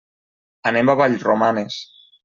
Anem a Vallromanes.